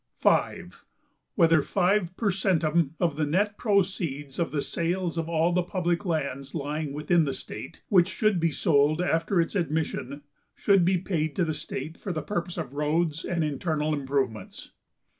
5. Whether five per centum of the net proceeds of the sales of all the public lands lying within the state, which should be sold after its admission, should be paid to the state for the purpose of roads, and internal improvements.